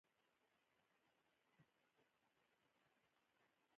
سیندونه د افغان ښځو په ژوند کې رول لري.